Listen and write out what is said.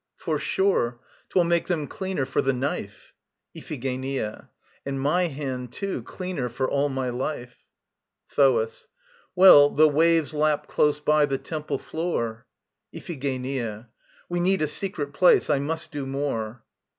For sure. 'Twill make them cleaner for the knife. IPHIGENIA. And my hand, too, cleaner for all my life. THOAS. Well, the waves lap close by the temple floor. IPHIGENIA. We need a secret place. I must do more.